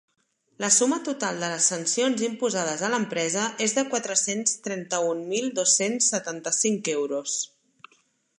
La suma total de les sancions imposades a l’empresa és de quatre-cents trenta-un mil dos-cents setanta-cinc euros.